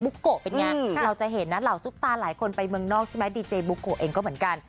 โกะเป็นไงเราจะเห็นนะเหล่าซุปตาหลายคนไปเมืองนอกใช่ไหมดีเจบุโกะเองก็เหมือนกัน